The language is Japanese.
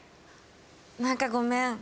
何かごめん。